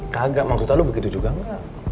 kagak maksud lo begitu juga nggak